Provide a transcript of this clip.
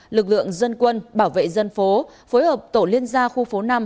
lực lượng dân quân bảo vệ dân phố phối hợp tổ liên gia khu phố năm